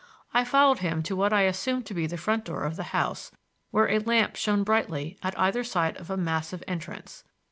I followed him to what I assumed to be the front door of the house, where a lamp shone brightly at either side of a massive entrance.